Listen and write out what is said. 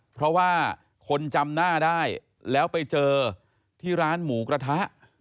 เพราะว่าคนจำหน้าได้แล้วไปเจอที่ร้านหมูกระทะ